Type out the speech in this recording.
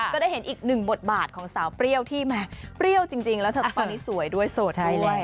ก็ได้เห็นอีกหนึ่งบทบาทของสาวเปรี้ยวที่แม้เปรี้ยวจริงแล้วเธอตอนนี้สวยด้วยโสดด้วย